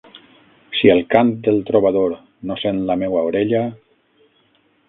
Si el cant del trobador no sent la meua orella